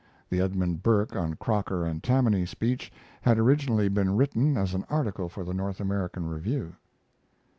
[The "Edmund Burke on Croker and Tammany" speech had originally been written as an article for the North American Review.